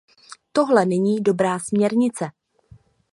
Tohle není dobrá směrnice.